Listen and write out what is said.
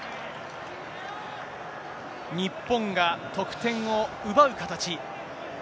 日本が得点を奪う形。